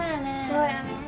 そうやね。